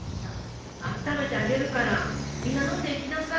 あっためてあげるからみんな飲んでいきなさい。